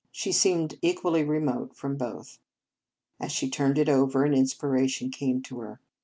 She seemed equally remote from both. As she turned it over, an inspiration came to her.